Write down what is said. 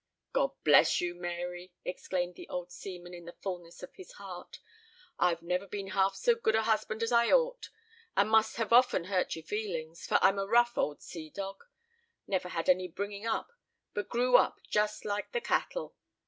"God bless you, Mary!" exclaimed the old seaman in the fulness of his heart; "I've never been half so good a husband as I ought, and must often have hurt your feelings; for I'm a rough old sea dog; never had any bringing up, but grew up just like the cattle.